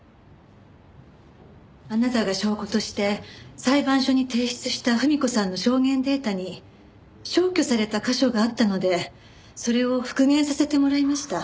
あなたが証拠として裁判所に提出した文子さんの証言データに消去された箇所があったのでそれを復元させてもらいました。